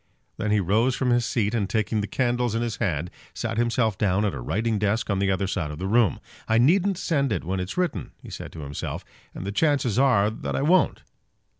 Then he rose from his seat, and taking the candles in his hand, sat himself down at a writing desk on the other side of the room. "I needn't send it when it's written," he said to himself, "and the chances are that I won't."